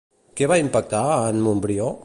Què va impactar a en Montbrió?